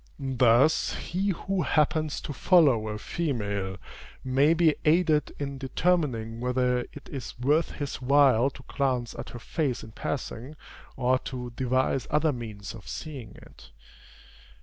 Thus he who happens to follow a female may be aided in determining whether it is worth his while to glance at her face in passing, or to devise other means of seeing it.